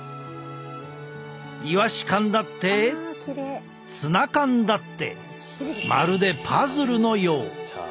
イワシ缶だってツナ缶だってまるでパズルのよう。